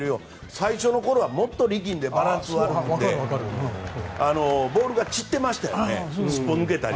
最初の頃はもっと力んでバランスが悪くてボールが散っていましたよね。すっぽ抜けたり。